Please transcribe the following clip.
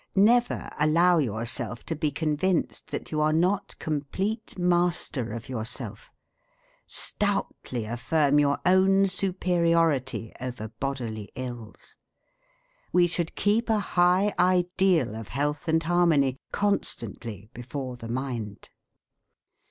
Never allow yourself to be convinced that you are not complete master of yourself. Stoutly affirm your own superiority over bodily ills. We should keep a high ideal of health and harmony constantly before the mind.